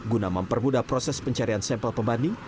guna mempermudah proses pencarian sampel pembanding